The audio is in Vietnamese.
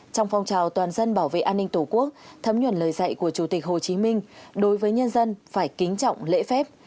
trong phong trào toàn dân bảo vệ an ninh tổ quốc thấm nhuần lời dạy của chủ tịch hồ chí minh đối với nhân dân phải kính trọng lễ phép